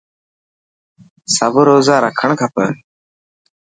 سب روزا رکڻ کپي.